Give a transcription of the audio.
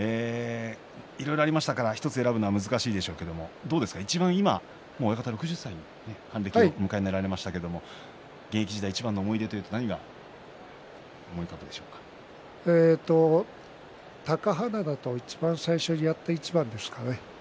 いろいろありましたから１つ選ぶが難しいと思いますが親方６０歳の還暦を迎えられましたけれども現役時代いちばんの思い出というと何が思い浮かぶ貴花田といちばん最初にやった一番ですかね。